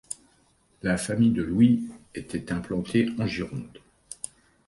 La famille de Louis était implantée en Gironde.